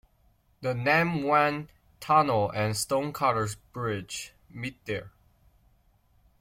The Nam Wan Tunnel and Stonecutters Bridge meet there.